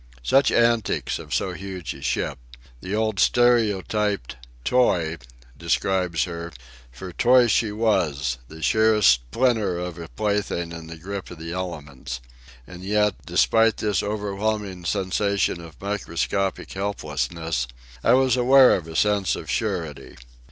Such antics of so huge a ship! The old stereotyped "toy" describes her; for toy she was, the sheerest splinter of a plaything in the grip of the elements. And yet, despite this overwhelming sensation of microscopic helplessness, I was aware of a sense of surety.